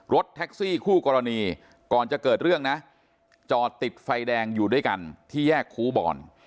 รถแท็กซี่คู่กรณีก่อนจะเกิดเรื่องนะจอดติดไฟแดงอยู่ด้วยกันที่แยกครูบอล